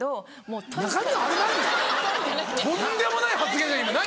とんでもない発言じゃん今何？